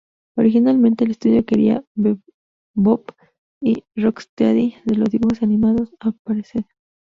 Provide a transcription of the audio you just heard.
Originalmente, el estudio quería Bebop y Rocksteady, de los dibujos animados, a aparecer.